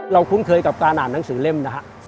คุ้นเคยกับการอ่านหนังสือเล่มนะฮะ